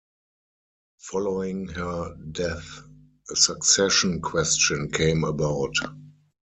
Following her death, a succession question came about.